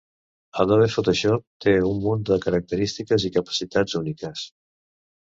Adobe Photoshop té un munt de característiques i capacitats úniques.